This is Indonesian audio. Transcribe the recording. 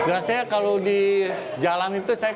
rasanya kalau di jalan itu saya